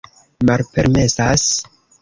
Malpermesas?